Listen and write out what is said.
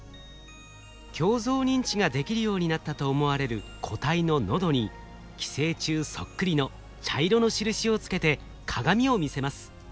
鏡像認知ができるようになったと思われる個体の喉に寄生虫そっくりの茶色の印をつけて鏡を見せます。